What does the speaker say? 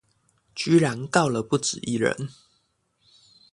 居然告了不只一人